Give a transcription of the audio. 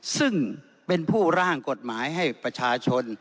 ซึ่งเป็นผู้ร่างกฎหมายให้ประชาชน